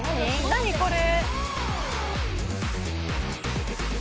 「何これ？」